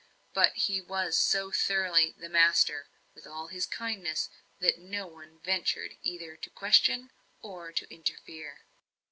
But he was so thoroughly "the master," with all his kindness, that no one ventured either to question or interfere.